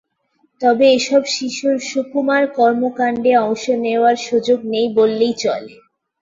তবে এসব শিশুর সুকুমার কর্মকাণ্ডে অংশ নেওয়ার সুযোগ নেই বললেই চলে।